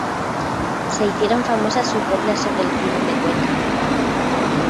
Se hicieron famosas sus coplas sobre el Crimen de Cuenca.